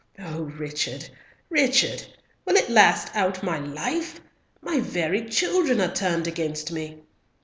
Oh, Richard, Richard! will it last out my life? My very children are turned against me.